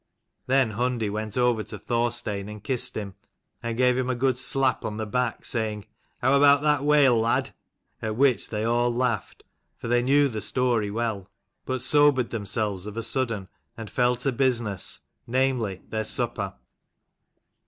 Then Hundi went over to Thorstein and kissed him, and gave him a good slap on the back, saying "How about that whale, lad ?" At which they all laughed, for they knew the story well : but sobered themselves of a sudden and fell to business, namely their supper.